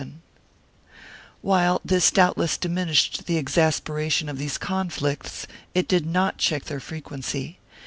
2 While this doubtless diminished the exasperation of these con flicts, it did not check their frequency.